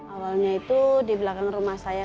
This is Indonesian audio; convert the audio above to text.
awalnya itu di belakang rumah saya